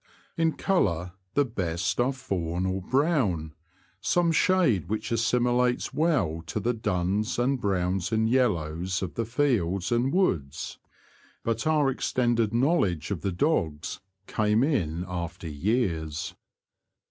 In colour the best are fawn or brown — some shade which assimilates well to the duns and browns and yellows of the fields 24 T^he Confessions of a T^oacher. and woods ; but our extended knowledge of the dogs came in after years.